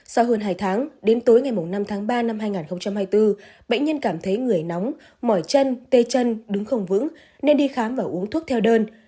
sau hơn hai tháng đến tối ngày năm tháng ba năm hai nghìn hai mươi bốn bệnh nhân cảm thấy người nóng mỏi chân tê chân đứng không vững nên đi khám và uống thuốc theo đơn